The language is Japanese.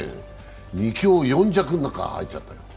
２強４弱の中に入っちゃったよ。